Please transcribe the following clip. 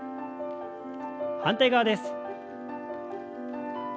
反対側です。